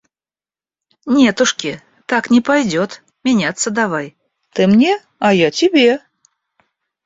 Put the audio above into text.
Нетушки! Так не пойдёт, меняться давай. Ты мне, а я — тебе.